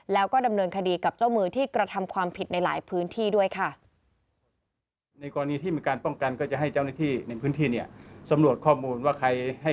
แล้วก็ดำเนินคดีกับเจ้ามือที่กระทำความผิดในหลายพื้นที่ด้วยค่ะ